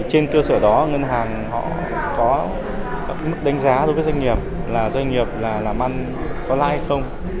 trên cơ sở đó ngân hàng có mức đánh giá đối với doanh nghiệp là doanh nghiệp làm ăn có la hay không